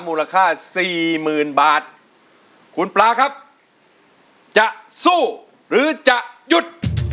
มูลค่าสี่หมื่นบาทคุณปลาครับจะสู้หรือจะหยุด